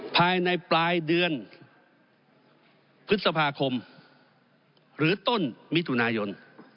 ภายในปลายเดือนพฤษภาคมหรือต้นมิถุนายน